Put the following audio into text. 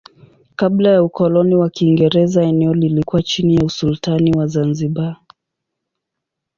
Kabla ya ukoloni wa Kiingereza eneo lilikuwa chini ya usultani wa Zanzibar.